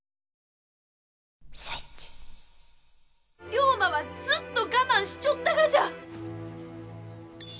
龍馬はずっと我慢しちょったがじゃ！